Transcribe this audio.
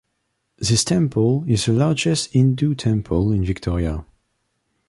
This temple is the largest Hindu temple in Victoria.